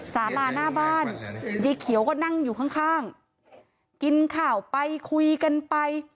สาราหน้าบ้านยายเขียวก็นั่งอยู่ข้างข้างกินข่าวไปคุยกันไป